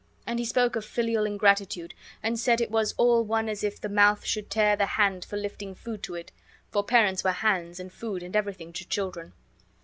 And he spoke of filial ingratitude, and said it was all one as if the mouth should tear the hand for lifting food to it; for parents were hands and food and everything to children.